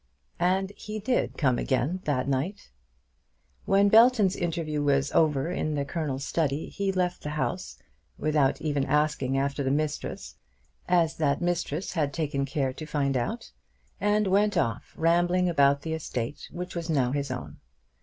And he did come again that night. When Belton's interview was over in the Colonel's study, he left the house, without even asking after the mistress, as that mistress had taken care to find out, and went off, rambling about the estate which was now his own.